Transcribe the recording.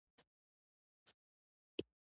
د فلزونو اکسایدونه له اوبو سره تعامل کوي.